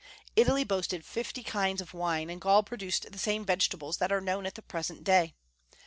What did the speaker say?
Italy boasted of fifty kinds of wine, and Gaul produced the same vegetables that are known at the present day.